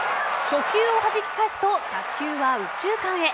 初球をはじき返すと打球は右中間へ。